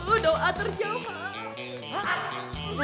oh doa terjawab